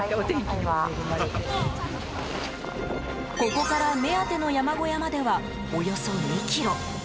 ここから目当ての山小屋まではおよそ２ｋｍ。